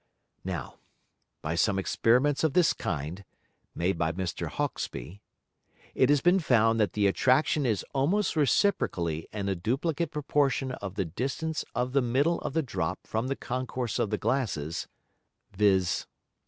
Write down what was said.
Now by some Experiments of this kind, (made by Mr. Hauksbee) it has been found that the Attraction is almost reciprocally in a duplicate Proportion of the distance of the middle of the Drop from the Concourse of the Glasses, _viz.